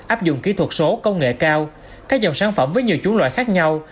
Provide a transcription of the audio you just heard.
áp dụng kỹ thuật số công nghệ cao các dòng sản phẩm với nhiều chú loại khác nhau